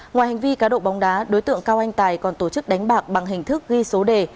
ngoài hành vi cá độ bóng đá đối tượng cao anh tài còn tổ chức đánh bạc bằng hình thức ghi số đề